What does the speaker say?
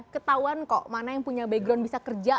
ketahuan kok mana yang punya background bisa kerja